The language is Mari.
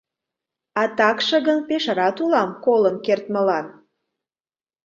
— А такше гын пеш рат улам, колын кертмылан.